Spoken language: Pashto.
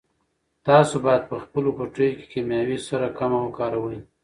تاسو باید په خپلو پټیو کې کیمیاوي سره کمه وکاروئ.